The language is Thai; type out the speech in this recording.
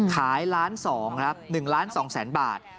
ขาย๑๒๐๐๐๐๐บาท